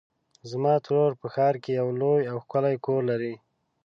زما ترور په ښار کې یو لوی او ښکلی کور لري.